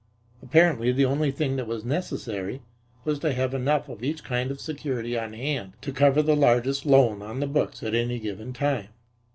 Apparently the only thing that was necessary was to have enough of each kind of security on hand to cover the largest loan on the books at any given time.